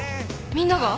みんなが？